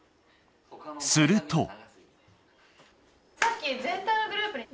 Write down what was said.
すると。